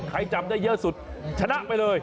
จับได้เยอะสุดชนะไปเลย